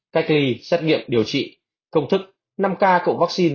cách ly xét nghiệm điều trị công thức năm k cộng vaccine